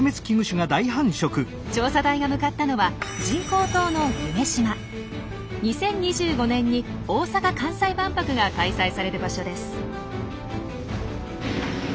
調査隊が向かったのは人工島の２０２５年に大阪・関西万博が開催される場所です。